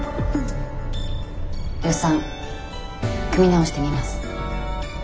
予算組み直してみます。